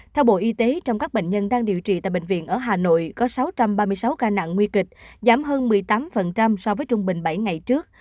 theo bộ y tế trong các bệnh nhân đang điều trị tại bệnh viện ở hà nội có sáu trăm ba mươi sáu ca nặng nguy kịch giảm hơn một mươi tám so với trung bình bảy ngày trước